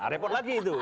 repot lagi itu